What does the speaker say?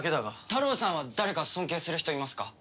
タロウさんは誰か尊敬する人いますか？